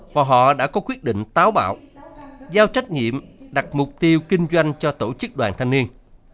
và họ đã có quyết định táo bạo giao trách nhiệm đặt mục tiêu kinh doanh cho tổ chức đoàn thanh niên